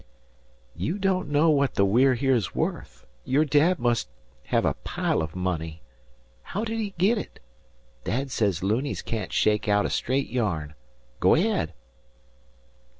"You don't know what the We're Here's worth. Your dad must hev a pile o' money. How did he git it? Dad sez loonies can't shake out a straight yarn. Go ahead."